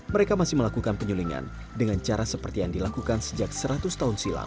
mereka masih melakukan penyulingan dengan cara seperti yang dilakukan sejak seratus tahun silam